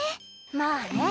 まあね。